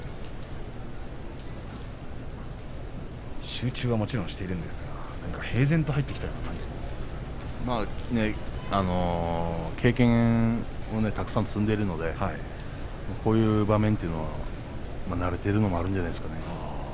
集中はもちろんしているんでしょうが経験をたくさん積んでいますのでこういう場面というのは慣れているというのもあるんじゃないですか。